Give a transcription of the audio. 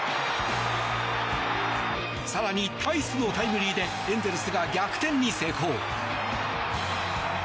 更にタイスのタイムリーでエンゼルスが逆転に成功。